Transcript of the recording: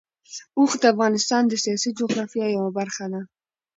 اوښ د افغانستان د سیاسي جغرافیه یوه برخه ده.